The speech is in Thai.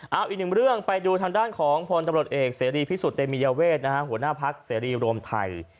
เอาอีกหนึ่งเรื่องไปดูทางด้านของพลตำรวจเอกเสรีพิสุทธิเตมียเวทหัวหน้าพักเสรีรวมไทย